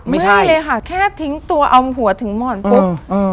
ไม่เลยค่ะแค่ทิ้งตัวเอาหัวถึงหมอนปุ๊บ